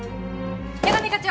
矢上課長！